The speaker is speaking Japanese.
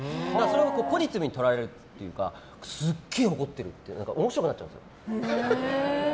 ポジティブに捉えるというかすっげえ怒ってるって面白くなっちゃうんですよ。